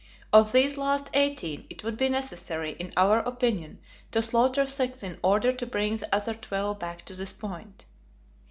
Of these last eighteen, it would be necessary, in our opinion, to slaughter six in order to bring the other twelve back to this point.